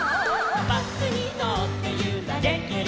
「バスにのってゆられてる」